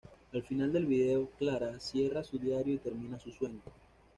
Al final del video Clara cierra su diario y termina su sueño.